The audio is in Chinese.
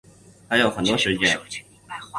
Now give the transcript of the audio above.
还有很多时间